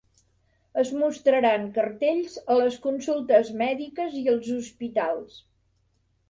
Es mostraran cartells a les consultes mèdiques i als hospitals.